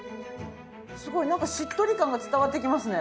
すごいなんかしっとり感が伝わってきますね。